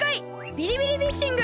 ビリビリフィッシング！